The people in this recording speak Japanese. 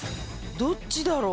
どっちだろう？